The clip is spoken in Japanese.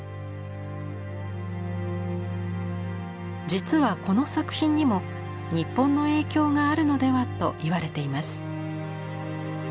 実はこの作品にも日本の影響があるのではと言われています。